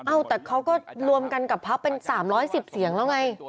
แต่เขาก็รวมกันกับพักเป็น๓๑๐เสียงแล้วไง